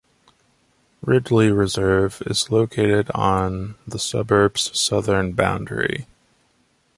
Ridley Reserve is located on the suburb's southern boundary.